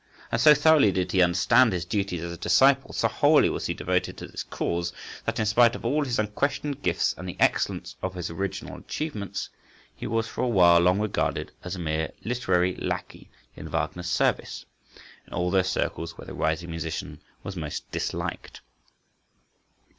And so thoroughly did he understand his duties as a disciple, so wholly was he devoted to this cause, that, in spite of all his unquestioned gifts and the excellence of his original achievements, he was for a long while regarded as a mere "literary lackey" in Wagner's service, in all those circles where the rising musician was most disliked.